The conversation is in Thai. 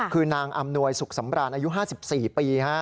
คือนางอำนวยสุขสำราญอายุ๕๔ปี